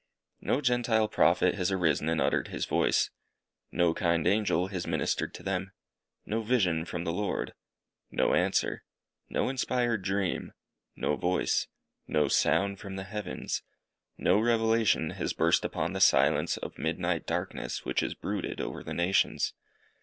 No Gentile Prophet has arisen and uttered his voice. No kind angel has ministered to them. No vision from the Lord. No answer. No inspired dream. No voice. No sound from the heavens. No revelation has burst upon the silence of midnight darkness which has brooded over the nations.